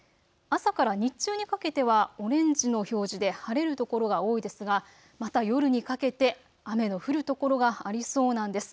朝から日中にかけてはオレンジの表示で晴れる所が多いですがまた夜にかけて雨の降る所がありそうなんです。